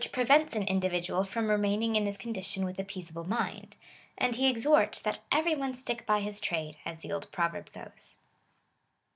249 restlessness, wliicli prevents an individual from remaining in liis condition with a peaceable mind/ and lie exhorts, that every one stick by his trade, as the old proverb goes.